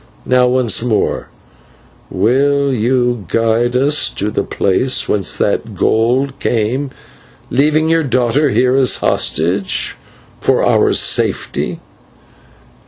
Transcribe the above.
Now, once more, will you guide us to the place whence that gold came, leaving your daughter here as hostage for our safety?"